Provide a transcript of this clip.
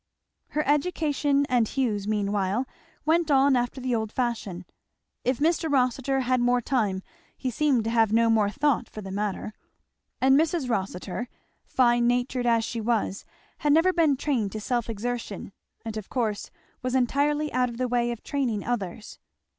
Her education and Hugh's meanwhile went on after the old fashion. If Mr. Rossitur had more time he seemed to have no more thought for the matter; and Mrs. Rossitur, fine natured as she was, had never been trained to self exertion, and of course was entirely out of the way of training others.